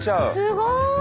すごい！